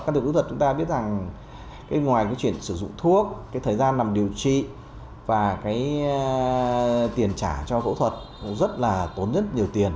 can thiệp phẫu thuật chúng ta biết rằng cái ngoài cái chuyện sử dụng thuốc cái thời gian làm điều trị và cái tiền trả cho phẫu thuật rất là tốn rất nhiều tiền